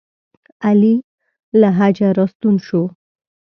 علي له حجه راستون شو.